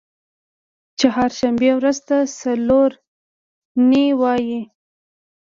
چهارشنبې ورځی ته څلور نۍ وایی